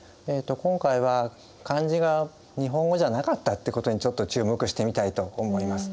今回は漢字が日本語じゃなかったってことにちょっと注目してみたいと思います。